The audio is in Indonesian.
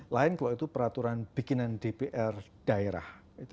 lain kalau itu peraturan bikinan dpr daerah